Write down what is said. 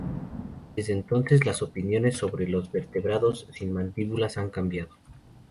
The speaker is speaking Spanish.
Desde entonces, las opiniones sobre los vertebrados sin mandíbulas han cambiado.